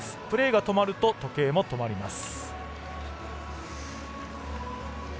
プレーが止まると時計も止まります。